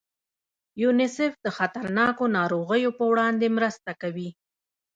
یونیسف د خطرناکو ناروغیو په وړاندې مرسته کوي.